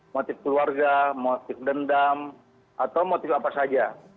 motif keluarga motif dendam atau motif apa saja